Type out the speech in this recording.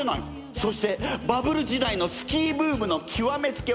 そしてバブル時代のスキーブームのきわめつけはこれ！